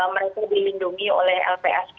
mereka dilindungi oleh lpsk